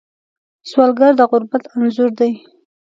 سوالګر د غربت انځور دی